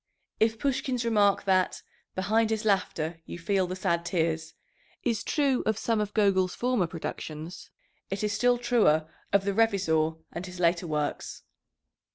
If Pushkin's remark, that "behind his laughter you feel the sad tears," is true of some of Gogol's former productions, it is still truer of the Revizor and his later works.